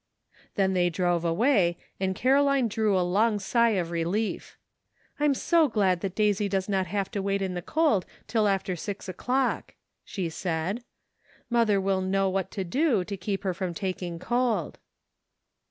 Then they drove away, and Caroline drew a long sigh of relief. " I am bo glad that Daisy does not have to wait in the cold till after six o'clock," she said. "Mother will know what to do to keep her from taking cold."